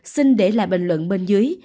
xin để lại bình luận bên dưới